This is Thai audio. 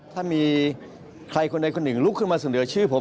ถ้ามีใครคนใดคนหนึ่งลุกขึ้นมาเสนอชื่อผม